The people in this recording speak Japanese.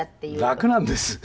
楽なんです。